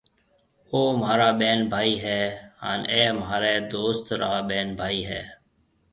او مهارا ٻين ڀائِي هيَ هانَ اَي مهاريَ دوست را ٻين ڀائِي هيَ۔